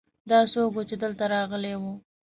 دا څوک ؤ چې دلته راغلی ؤ